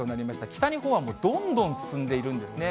北日本はもうどんどん進んでいるんですね。